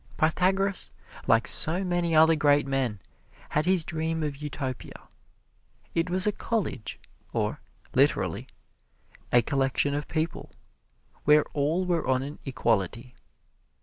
Pythagoras, like so many other great men, had his dream of Utopia: it was a college or, literally, "a collection of people," where all were on an equality.